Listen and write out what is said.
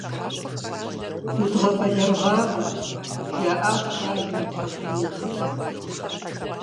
Удгъэбэлэрыгъакъым, - жаӏащ бажэм и тхьэкӏумитӏым.